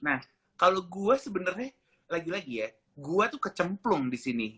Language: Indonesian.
nah kalau gue sebenernya lagi lagi ya gue tuh kecemplung disini